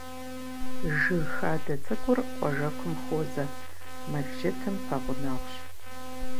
Жыг хадэ цӏыкӏур къуажэкум хуозэ, мэжджытым пэгъунэгъущ.